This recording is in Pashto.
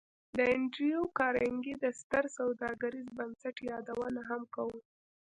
د انډریو کارنګي د ستر سوداګریز بنسټ یادونه هم کوو